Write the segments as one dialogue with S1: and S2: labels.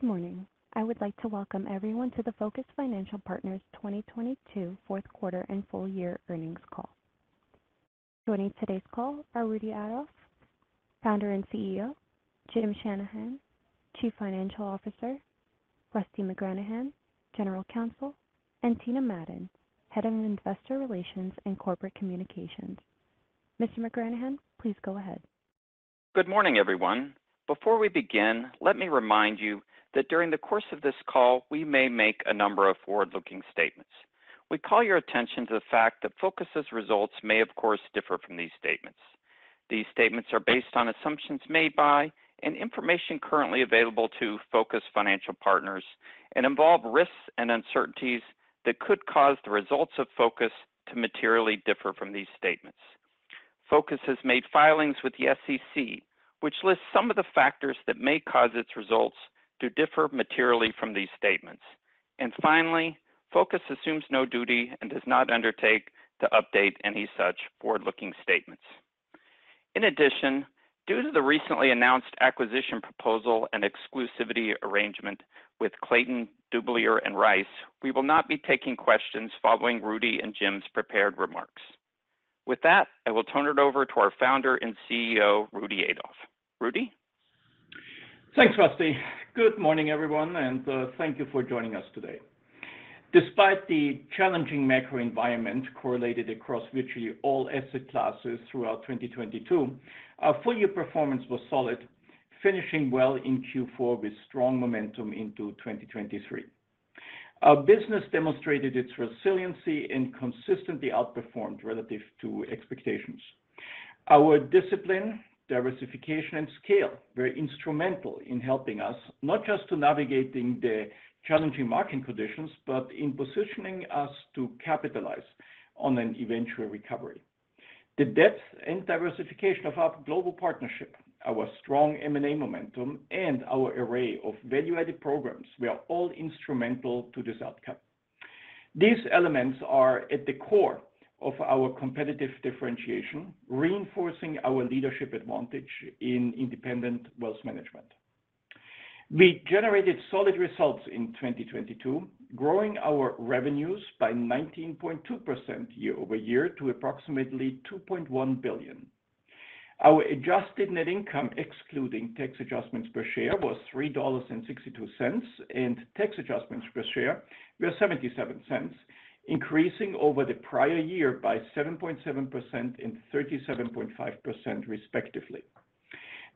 S1: Good morning. I would like to welcome everyone to the Focus Financial Partners 2022 fourth quarter and full year earnings call. Joining today's call are Rudy Adolf, Founder and CEO, Jim Shanahan, Chief Financial Officer, Russell McGranahan, General Counsel, and Tina Madon, Head of Investor Relations and Corporate Communications. Mr. McGranahan, please go ahead.
S2: Good morning, everyone. Before we begin, let me remind you that during the course of this call, we may make a number of forward-looking statements. We call your attention to the fact that Focus's results may, of course, differ from these statements. These statements are based on assumptions made by and information currently available to Focus Financial Partners and involve risks and uncertainties that could cause the results of Focus to materially differ from these statements. Focus has made filings with the SEC, which lists some of the factors that may cause its results to differ materially from these statements. Finally, Focus assumes no duty and does not undertake to update any such forward-looking statements. In addition, due to the recently announced acquisition proposal and exclusivity arrangement with Clayton, Dubilier & Rice, we will not be taking questions following Rudy and Jim's prepared remarks. With that, I will turn it over to our Founder and CEO, Rudy Adolf. Rudy.
S3: Thanks, Rusty. Good morning, everyone, thank you for joining us today. Despite the challenging macro environment correlated across virtually all asset classes throughout 2022, our full year performance was solid, finishing well in Q4 with strong momentum into 2023. Our business demonstrated its resiliency and consistently outperformed relative to expectations. Our discipline, diversification, and scale were instrumental in helping us not just to navigating the challenging market conditions, but in positioning us to capitalize on an eventual recovery. The depth and diversification of our global partnership, our strong M&A momentum, and our array of value-added programs were all instrumental to this outcome. These elements are at the core of our competitive differentiation, reinforcing our leadership advantage in independent wealth management. We generated solid results in 2022, growing our revenues by 19.2% year-over-year to approximately $2.1 billion. Our adjusted net income, excluding tax adjustments per share, was $3.62, and tax adjustments per share were $0.77, increasing over the prior year by 7.7% and 37.5% respectively.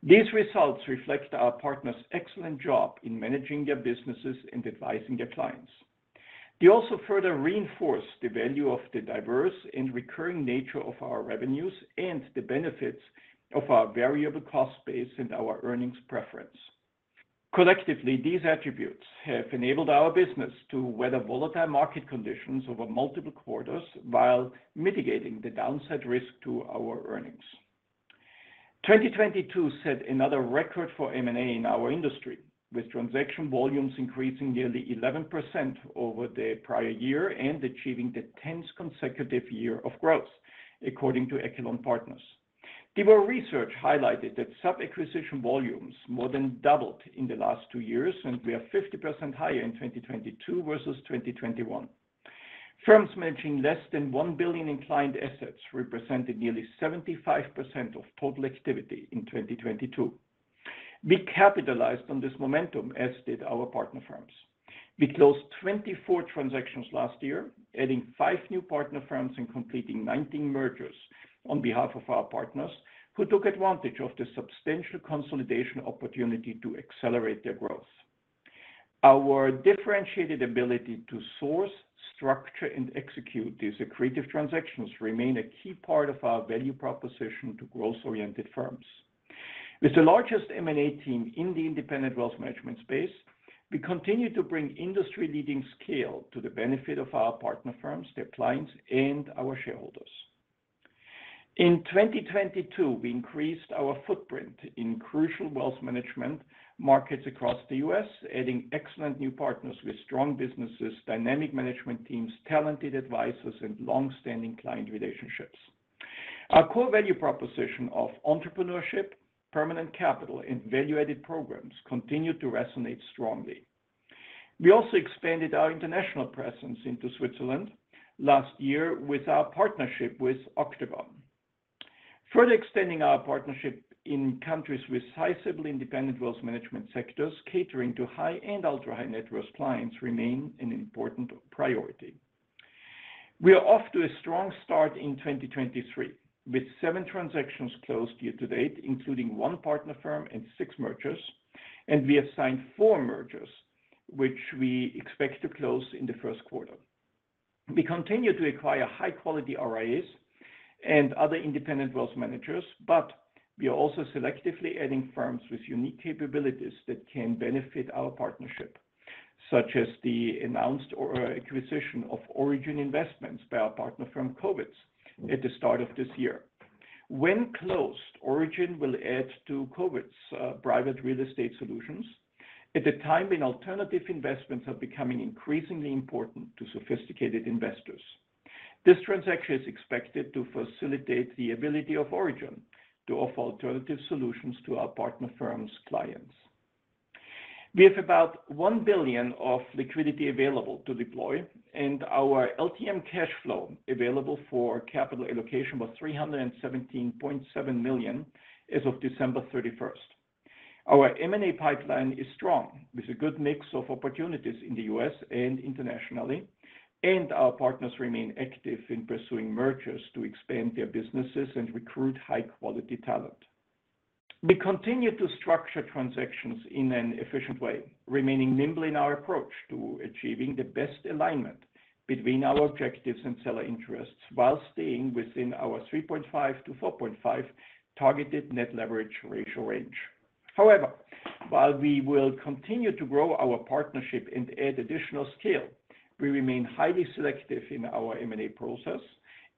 S3: These results reflect our partners' excellent job in managing their businesses and advising their clients. They also further reinforce the value of the diverse and recurring nature of our revenues and the benefits of our variable cost base and our earnings preference. Collectively, these attributes have enabled our business to weather volatile market conditions over multiple quarters while mitigating the downside risk to our earnings. 2022 set another record for M&A in our industry, with transaction volumes increasing nearly 11% over the prior year and achieving the 10th consecutive year of growth, according to Echelon Partners. DeVoe Research highlighted that sub-acquisition volumes more than doubled in the last two years, and we are 50% higher in 2022 versus 2021. Firms managing less than $1 billion in client assets represented nearly 75% of total activity in 2022. We capitalized on this momentum, as did our partner firms. We closed 24 transactions last year, adding five new partner firms and completing 19 mergers on behalf of our partners who took advantage of the substantial consolidation opportunity to accelerate their growth. Our differentiated ability to source, structure, and execute these accretive transactions remain a key part of our value proposition to growth-oriented firms. With the largest M&A team in the independent wealth management space, we continue to bring industry-leading scale to the benefit of our partner firms, their clients, and our shareholders. In 2022, we increased our footprint in crucial wealth management markets across the U.S., adding excellent new partners with strong businesses, dynamic management teams, talented advisors, and long-standing client relationships. Our core value proposition of entrepreneurship, permanent capital, and value-added programs continued to resonate strongly. We also expanded our international presence into Switzerland last year with our partnership with Octogone. Further extending our partnership in countries with sizable independent wealth management sectors catering to high and ultra-high-net-worth clients remain an important priority. We are off to a strong start in 2023, with seven transactions closed year to date, including one partner firm and six mergers, and we have signed four mergers, which we expect to close in the first quarter. We continue to acquire high-quality RIAs and other independent wealth managers, but we are also selectively adding firms with unique capabilities that can benefit our partnership. Such as the announced acquisition of Origin Investments by our partner firm, Kovitz, at the start of this year. When closed, Origin will add to Kovitz's private real estate solutions at a time when alternative investments are becoming increasingly important to sophisticated investors. This transaction is expected to facilitate the ability of Origin to offer alternative solutions to our partner firms' clients. We have about $1 billion of liquidity available to deploy, and our LTM cash flow available for capital allocation was $317.7 million as of December 31st. Our M&A pipeline is strong, with a good mix of opportunities in the U.S. and internationally, and our partners remain active in pursuing mergers to expand their businesses and recruit high-quality talent. We continue to structure transactions in an efficient way, remaining nimble in our approach to achieving the best alignment between our objectives and seller interests while staying within our 3.5-4.5 targeted net leverage ratio range. While we will continue to grow our partnership and add additional scale, we remain highly selective in our M&A process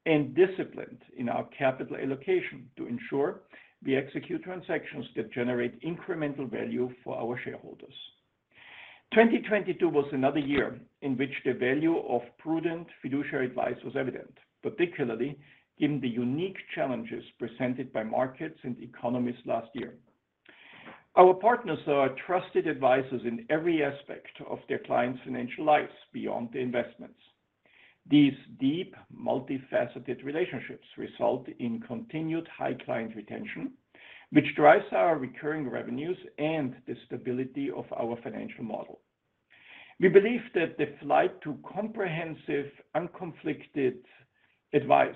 S3: and disciplined in our capital allocation to ensure we execute transactions that generate incremental value for our shareholders. 2022 was another year in which the value of prudent fiduciary advice was evident, particularly given the unique challenges presented by markets and economies last year. Our partners are trusted advisors in every aspect of their clients' financial lives beyond the investments. These deep, multifaceted relationships result in continued high client retention, which drives our recurring revenues and the stability of our financial model. We believe that the flight to comprehensive, unconflicted advice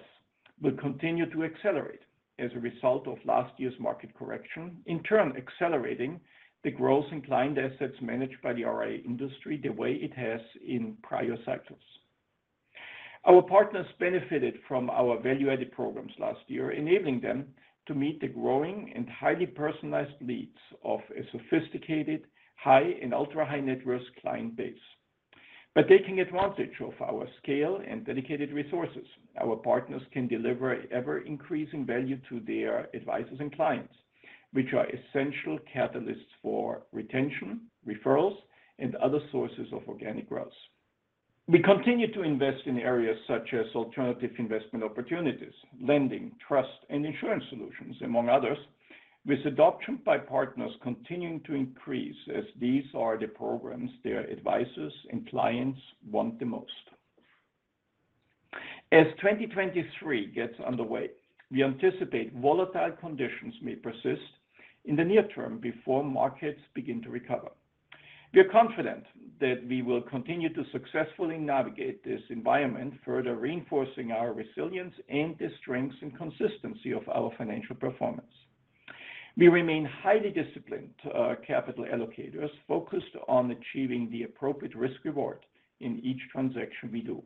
S3: will continue to accelerate as a result of last year's market correction, in turn accelerating the growth in client assets managed by the RIA industry the way it has in prior cycles. Our partners benefited from our value-added programs last year, enabling them to meet the growing and highly personalized needs of a sophisticated high and ultra-high-net-worth client base. By taking advantage of our scale and dedicated resources, our partners can deliver ever-increasing value to their advisors and clients, which are essential catalysts for retention, referrals, and other sources of organic growth. We continue to invest in areas such as alternative investment opportunities, lending, trust, and insurance solutions, among others, with adoption by partners continuing to increase as these are the programs their advisors and clients want the most. As 2023 gets underway, we anticipate volatile conditions may persist in the near term before markets begin to recover. We are confident that we will continue to successfully navigate this environment, further reinforcing our resilience and the strengths and consistency of our financial performance. We remain highly disciplined capital allocators focused on achieving the appropriate risk reward in each transaction we do.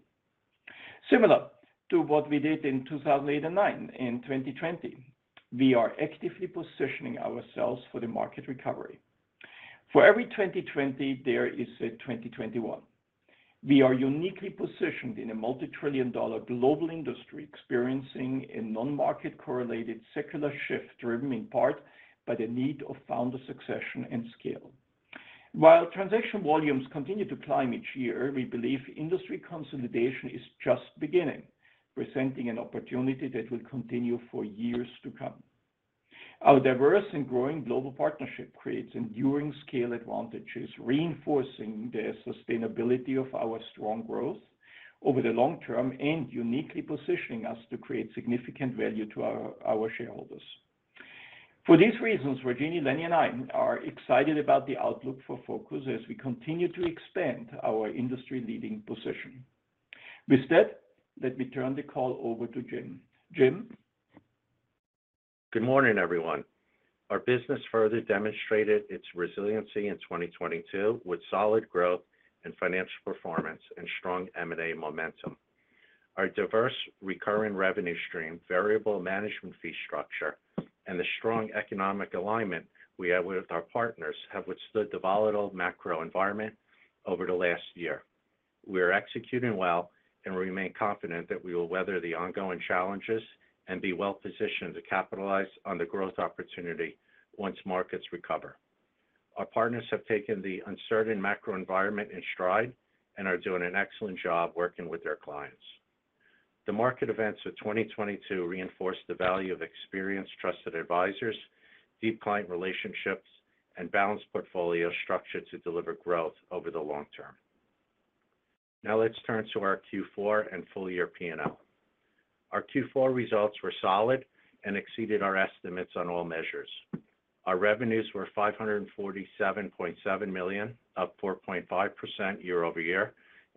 S3: Similar to what we did in 2008 and 2009 and 2020, we are actively positioning ourselves for the market recovery. For every 2020, there is a 2021. We are uniquely positioned in a multi-trillion dollar global industry experiencing a non-market correlated secular shift driven in part by the need of founder succession and scale. Transaction volumes continue to climb each year, we believe industry consolidation is just beginning, presenting an opportunity that will continue for years to come. Our diverse and growing global partnership creates enduring scale advantages, reinforcing the sustainability of our strong growth over the long term and uniquely positioning us to create significant value to our shareholders. For these reasons, Virginie, Lenny, and I are excited about the outlook for Focus as we continue to expand our industry-leading position. With that, let me turn the call over to Jim. Jim?
S4: Good morning, everyone. Our business further demonstrated its resiliency in 2022 with solid growth and financial performance and strong M&A momentum. Our diverse recurring revenue stream, variable management fee structure, and the strong economic alignment we have with our partners have withstood the volatile macro environment over the last year. We are executing well and remain confident that we will weather the ongoing challenges and be well-positioned to capitalize on the growth opportunity once markets recover. Our partners have taken the uncertain macro environment in stride and are doing an excellent job working with their clients. The market events of 2022 reinforced the value of experienced, trusted advisors, deep client relationships, and balanced portfolio structure to deliver growth over the long term. Let's turn to our Q4 and full year P&L. Our Q4 results were solid and exceeded our estimates on all measures. Our revenues were $547.7 million, up 4.5%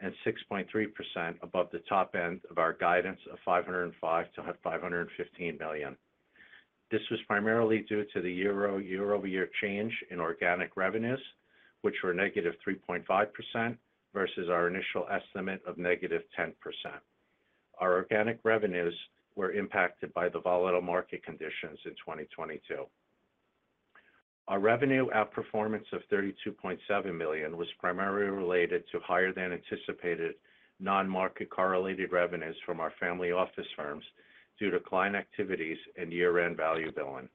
S4: year-over-year, 6.3% above the top end of our guidance of $505 million-$515 million. This was primarily due to the year-over-year change in organic revenues, which were -3.5% versus our initial estimate of -10%. Our organic revenues were impacted by the volatile market conditions in 2022. Our revenue outperformance of $32.7 million was primarily related to higher than anticipated non-market correlated revenues from our family office firms due to client activities and year-end value billing.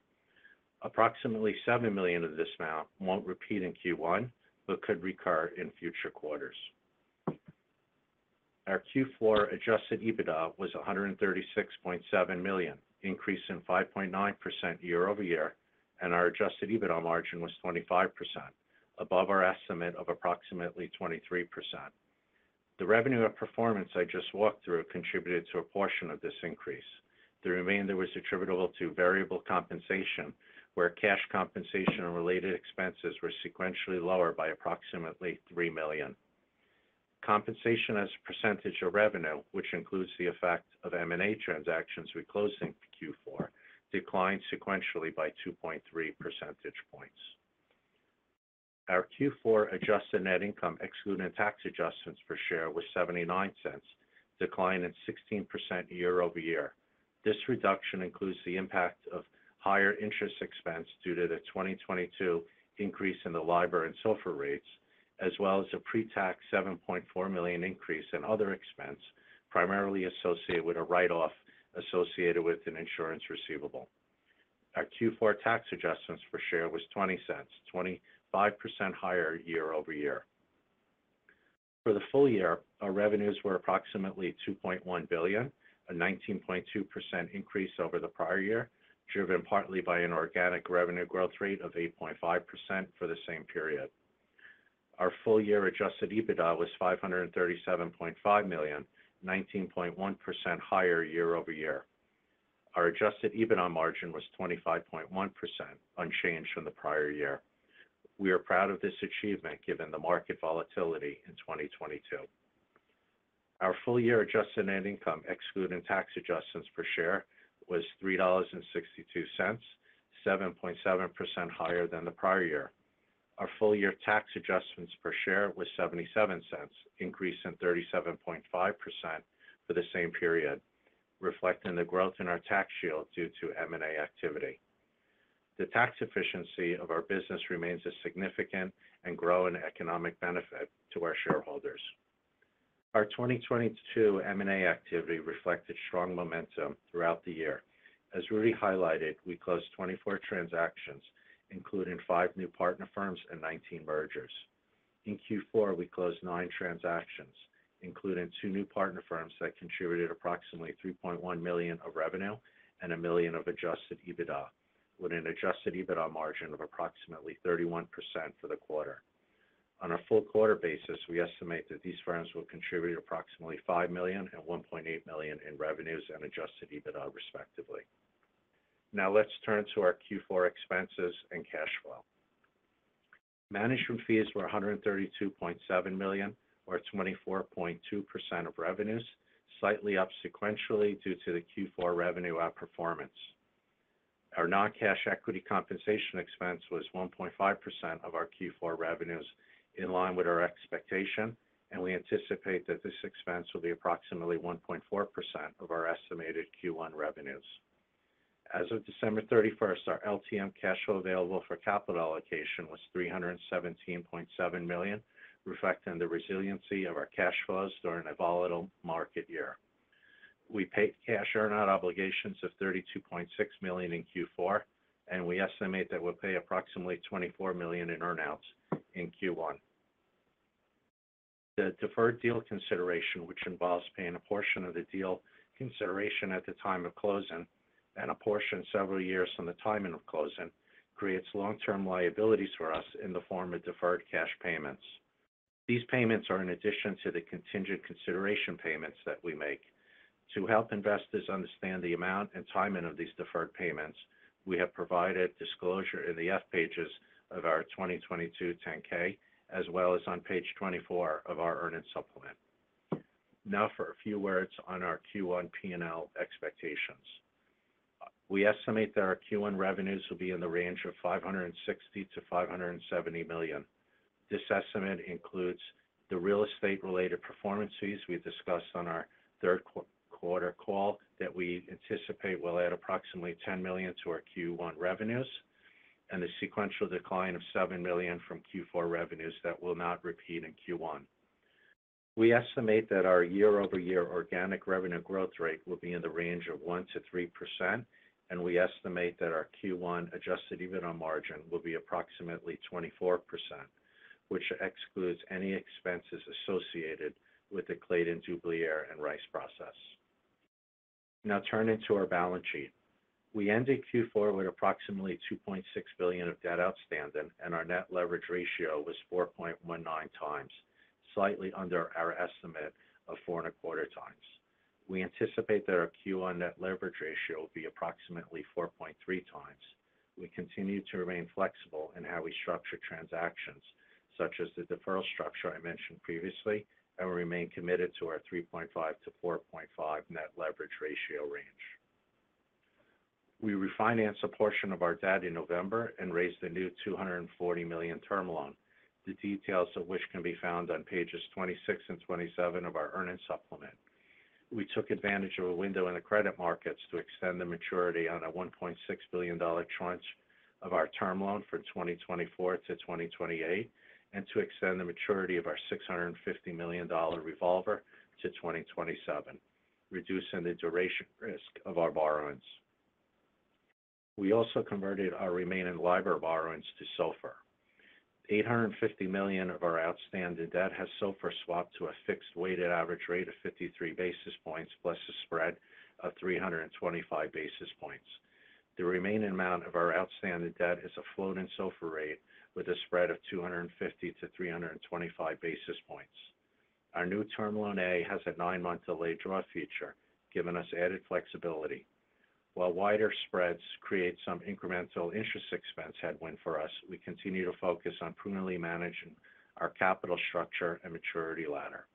S4: Approximately $7 million of this amount won't repeat in Q1, but could recur in future quarters. Our Q4 Adjusted EBITDA was $136.7 million, increase in 5.9% year-over-year, and our Adjusted EBITDA margin was 25%, above our estimate of approximately 23%. The revenue of performance I just walked through contributed to a portion of this increase. The remainder was attributable to variable compensation, where cash compensation and related expenses were sequentially lower by approximately $3 million. Compensation as a percentage of revenue, which includes the effect of M&A transactions we closed in Q4, declined sequentially by 2.3 percentage points. Our Q4 adjusted net income, excluding tax adjustments per share, was $0.79, decline at 16% year-over-year. This reduction includes the impact of higher interest expense due to the 2022 increase in the LIBOR and SOFR rates, as well as a pre-tax $7.4 million increase in other expense, primarily associated with a write-off associated with an insurance receivable. Our Q4 tax adjustments per share was $0.20, 25% higher year-over-year. For the full year, our revenues were approximately $2.1 billion, a 19.2% increase over the prior year, driven partly by an organic revenue growth rate of 8.5% for the same period. Our full-year Adjusted EBITDA was $537.5 million, 19.1% higher year-over-year. Our Adjusted EBITDA margin was 25.1%, unchanged from the prior year. We are proud of this achievement, given the market volatility in 2022. Our full-year adjusted net income, excluding tax adjustments per share, was $3.62, 7.7% higher than the prior year. Our full-year tax adjustments per share was $0.77, increase in 37.5% for the same period, reflecting the growth in our tax shield due to M&A activity. The tax efficiency of our business remains a significant and growing economic benefit to our shareholders. Our 2022 M&A activity reflected strong momentum throughout the year. As Rudy highlighted, we closed 24 transactions, including five new partner firms and 19 mergers. In Q4, we closed nine transactions, including two new partner firms that contributed approximately $3.1 million of revenue and $1 million of Adjusted EBITDA, with an Adjusted EBITDA margin of approximately 31% for the quarter. On a full quarter basis, we estimate that these firms will contribute approximately $5 million and $1.8 million in revenues and Adjusted EBITDA, respectively. Let's turn to our Q4 expenses and cash flow. Management fees were $132.7 million, or 24.2% of revenues, slightly up sequentially due to the Q4 revenue outperformance. Our non-cash equity compensation expense was 1.5% of our Q4 revenues, in line with our expectation, and we anticipate that this expense will be approximately 1.4% of our estimated Q1 revenues. As of December 31st, our LTM cash flow available for capital allocation was $317.7 million, reflecting the resiliency of our cash flows during a volatile market year. We paid cash earn-out obligations of $32.6 million in Q4, and we estimate that we'll pay approximately $24 million in earn-outs in Q1. The deferred deal consideration, which involves paying a portion of the deal consideration at the time of closing and a portion several years from the timing of closing, creates long-term liabilities for us in the form of deferred cash payments. These payments are in addition to the contingent consideration payments that we make. To help investors understand the amount and timing of these deferred payments, we have provided disclosure in the F pages of our 2022 10-K, as well as on page 24 of our earnings supplement. For a few words on our Q1 P&L expectations. We estimate that our Q1 revenues will be in the range of $560 million-$570 million. This estimate includes the real estate-related performances we discussed on our third quarter call that we anticipate will add approximately $10 million to our Q1 revenues and a sequential decline of $7 million from Q4 revenues that will not repeat in Q1. We estimate that our year-over-year organic revenue growth rate will be in the range of 1%-3%. We estimate that our Q1 Adjusted EBITDA margin will be approximately 24%, which excludes any expenses associated with the Clayton, Dubilier & Rice process. Turning to our balance sheet. We ended Q4 with approximately $2.6 billion of debt outstanding. Our net leverage ratio was 4.19x, slightly under our estimate of 4.25 times. We anticipate that our Q1 net leverage ratio will be approximately 4.3x. We continue to remain flexible in how we structure transactions, such as the deferral structure I mentioned previously, and we remain committed to our 3.5-4.5 net leverage ratio range. We refinanced a portion of our debt in November and raised a new $240 million term loan, the details of which can be found on pages 26 and 27 of our earnings supplement. We took advantage of a window in the credit markets to extend the maturity on a $1.6 billion tranche of our term loan for 2024-2028 and to extend the maturity of our $650 million revolver to 2027, reducing the duration risk of our borrowings. We also converted our remaining LIBOR borrowings to SOFR. $850 million of our outstanding debt has SOFR swapped to a fixed weighted average rate of 53 basis points plus a spread of 325 basis points. The remaining amount of our outstanding debt is a floating SOFR rate with a spread of 250-325 basis points. Our new Term Loan A has a nine-month delayed draw feature, giving us added flexibility. While wider spreads create some incremental interest expense headwind for us, we continue to focus on prudently managing our capital structure and maturity ladder.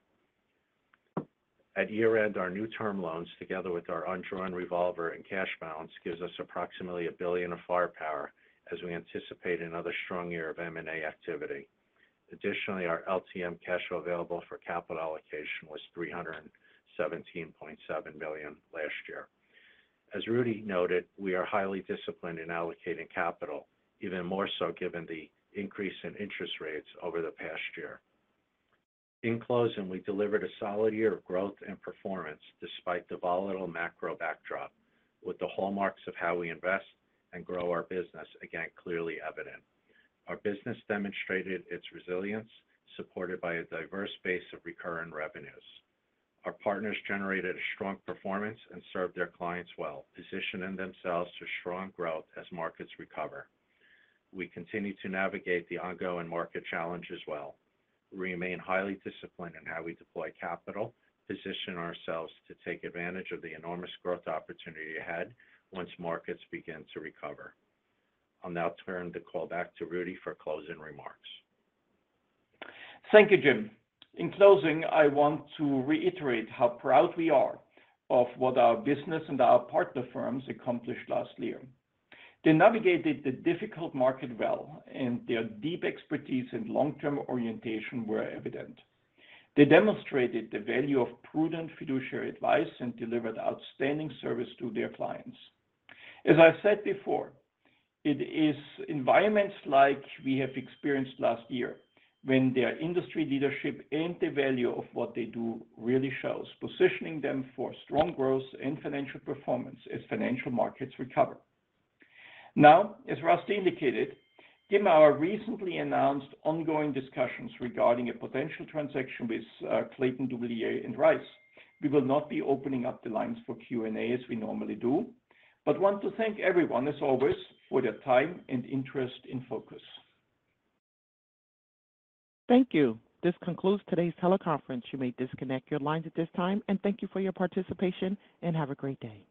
S4: At year-end, our new term loans, together with our undrawn revolver and cash balance, gives us approximately $1 billion of firepower as we anticipate another strong year of M&A activity. Additionally, our LTM cash available for capital allocation was $317.7 million last year. As Rudy noted, we are highly disciplined in allocating capital, even more so given the increase in interest rates over the past year. In closing, we delivered a solid year of growth and performance despite the volatile macro backdrop with the hallmarks of how we invest and grow our business again clearly evident. Our business demonstrated its resilience, supported by a diverse base of recurring revenues. Our partners generated a strong performance and served their clients well, positioning themselves for strong growth as markets recover. We continue to navigate the ongoing market challenge as well. We remain highly disciplined in how we deploy capital, position ourselves to take advantage of the enormous growth opportunity ahead once markets begin to recover. I'll now turn the call back to Rudy for closing remarks.
S3: Thank you, Jim. In closing, I want to reiterate how proud we are of what our business and our partner firms accomplished last year. They navigated the difficult market well, their deep expertise and long-term orientation were evident. They demonstrated the value of prudent fiduciary advice and delivered outstanding service to their clients. As I said before, it is environments like we have experienced last year when their industry leadership and the value of what they do really shows, positioning them for strong growth and financial performance as financial markets recover. As Russell indicated, given our recently announced ongoing discussions regarding a potential transaction with Clayton, Dubilier & Rice, we will not be opening up the lines for Q&A as we normally do, want to thank everyone, as always, for their time and interest in Focus.
S1: Thank you. This concludes today's teleconference. You may disconnect your lines at this time, and thank you for your participation, and have a great day.